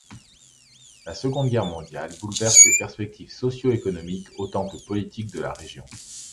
La Seconde Guerre mondiale bouleverse les perspectives socio-économiques autant que politiques de la région.